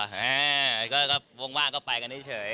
แห้งก็วงว่างก็ไปกันได้เฉย